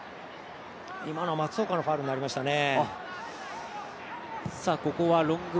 今の松岡のファウルになりましたね。